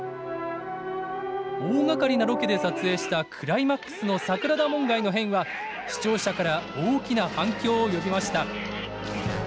大がかりなロケで撮影したクライマックスの桜田門外の変は視聴者から大きな反響を呼びました。